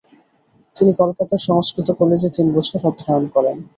তিনি কলকাতার সংস্কৃত কলেজে তিন বছর অধ্যয়ন করেন।